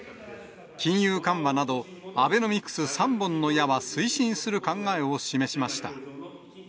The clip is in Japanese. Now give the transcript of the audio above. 金融緩和など、アベノミクス３本の矢は推進する考えを示しました。